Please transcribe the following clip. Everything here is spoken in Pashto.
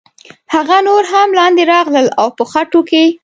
هغه نور هم لاندې راغلل او په خټو کې.